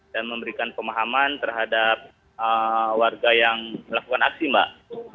dan memberikan pemahaman terhadap warga yang melakukan aksi mbak